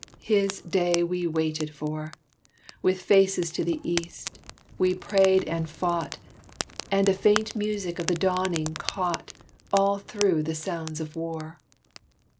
His Day we waited for! With faces to the East, we prayed and fought; And a faint music of the dawning caught, All through the sounds of War.